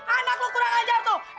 anak lo kurang ajar tuh